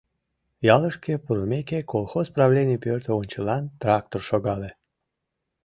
Ялышке пурымеке, колхоз правлений пӧрт ончылан трактор шогале.